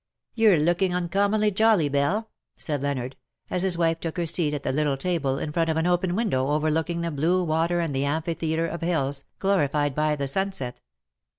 " You^'c looking uncommonly jolly, Belle/' said Leonard, as his wife took her seat at the little table in front of an open window overlooking the blue water and the amphitheatre of hills, glorified by the sunset.